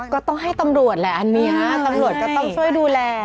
ก็ต้องให้ตำรวจแหละอันนี้ตำรวจก็ต้องช่วยดูแล